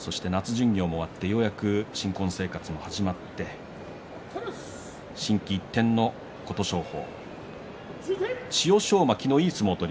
巡業も終わってようやく新婚生活も始まって心機一転の琴勝峰。